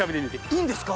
いいんですか？